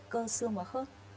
cơ xương và khớp